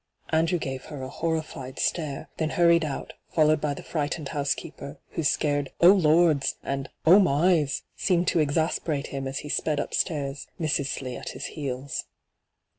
Andrew gave her a horrified stare, then hurried out, followed by the frightened house keeper, whose scared ' Oh Lord's !* and ' Oh my's !' seemed to exasperate him as he aped upstairs, Mrs. Slee at his heels.